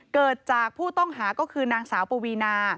เกิดจากผู้ต้องหาก็คือนางสาวปวีนา